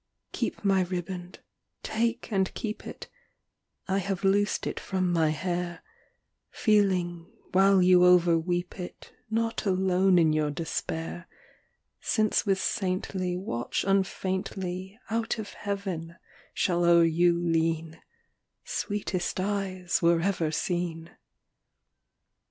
XVI. Keep my riband, take and keep it, (I have loosed it from my hair) Feeling, while you overweep it, Not alone in your despair, Since with saintly Watch unfaintly Out of heaven shall o'er you lean "Sweetest eyes were ever seen."